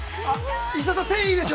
◆石田さん、手、いいですよ。